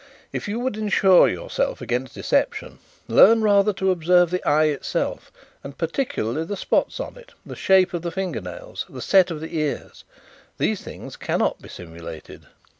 If you would ensure yourself against deception, learn rather to observe the eye itself, and particularly the spots on it, the shape of the finger nails, the set of the ears. These things cannot be simulated."